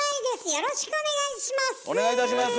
よろしくお願いします。